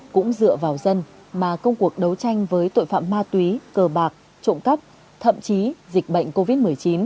cũng dựa vào dân mà công cuộc đấu tranh với tội phạm ma túy cờ bạc trộm cắp thậm chí dịch bệnh covid một mươi chín